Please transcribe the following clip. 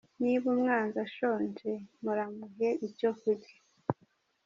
Niba umwanzi ashonje muramuhe icyo kurya.